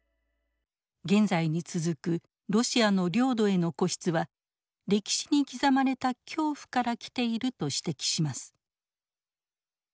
現在に続くロシアの領土への固執は歴史に刻まれた恐怖からきていると指摘します。